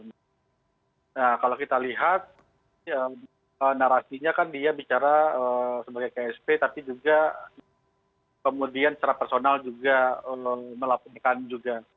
nah kalau kita lihat narasinya kan dia bicara sebagai ksp tapi juga kemudian secara personal juga melaporkan juga